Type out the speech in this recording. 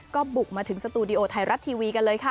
ก็บุกมาถึงสตูดิโอไทยรัฐทีวีกันเลยค่ะ